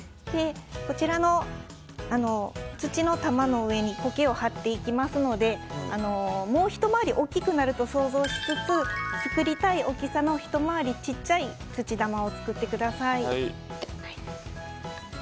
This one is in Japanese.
こちらの土の玉の上に苔を貼っていきますのでもうひと回り大きくなると想像しつつ作りたい大きさのひと回り小さい土玉を作ってください。